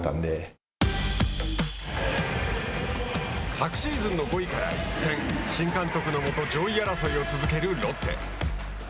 昨シーズンの５位から新監督のもと上位争いを続けるロッテ。